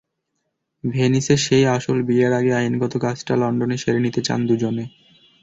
ভেনিসে সেই আসল বিয়ের আগে আইনগত কাজটা লন্ডনে সেরে নিতে চান দুজনে।